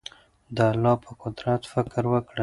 د الله په قدرت فکر وکړئ.